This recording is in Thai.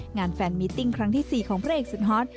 งานแฟนมิตติ้งครั้งที่๔ของพระเอกสุดฮอต